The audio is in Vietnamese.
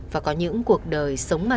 và có những cuộc đời sống mà